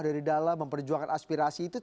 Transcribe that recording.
dari dalam memperjuangkan aspirasi itu